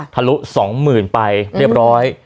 ทะลุ๒๐๐๐ไปเรียบร้อย